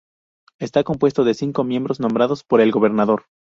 Está compuesto de cinco miembros nombrados por el gobernador.